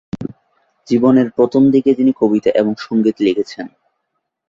জীবনের প্রথম দিকে তিনি কবিতা এবং সংগীত লিখেছেন।